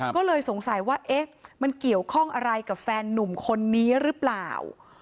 ก็เลยสงสัยว่าเอ๊ะมันเกี่ยวข้องอะไรกับแฟนนุ่มคนนี้หรือเปล่า